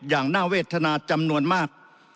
อย่างน่าเวทนาจำนวนมาก